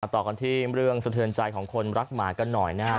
ต่อกันที่เรื่องสะเทือนใจของคนรักหมากันหน่อยนะครับ